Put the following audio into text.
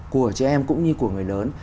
của trẻ em cũng như của người lớn